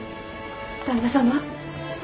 旦那様？